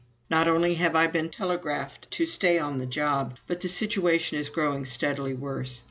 Not only have I been telegraphed to stay on the job, but the situation is growing steadily worse.